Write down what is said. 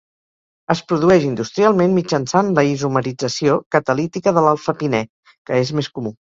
Es produeix industrialment mitjançant la isomerització catalítica de l'alfa-pinè, que és més comú.